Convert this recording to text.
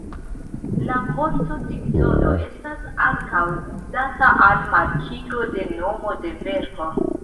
La vorto titolo estas ankaŭ uzata al markigo de nomo de verko.